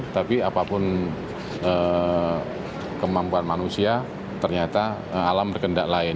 tapi apapun kemampuan manusia ternyata alam berkendak lain